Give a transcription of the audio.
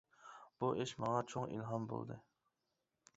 بۇ ئىش ماڭا چوڭ ئىلھام بولدى.